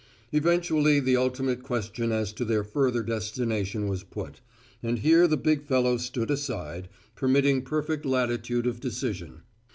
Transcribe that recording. Eventually the ultimate question as to their further destination was put, and here the big fellow stood aside, permitting perfect latitude of decision.